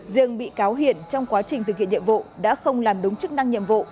riêng bị cáo hiển trong quá trình thực hiện nhiệm vụ đã không làm đúng chức năng nhiệm vụ